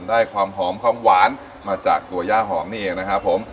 ความหอมความหวานมาจากตัวย่าหอมนี่เองนะครับผม